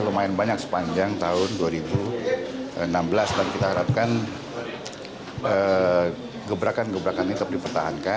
lumayan banyak sepanjang tahun dua ribu enam belas dan kita harapkan gebrakan gebrakan ini tetap dipertahankan